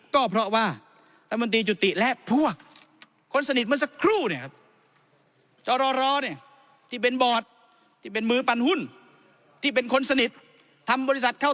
ก็เพราะว่าธรรมดีจุติและพวกคนสนิทเหมือนสักครู่